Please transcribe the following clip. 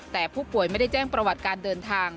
แต่ผู้ป่วยไม่ได้แจ้งประวัติการเดินทาง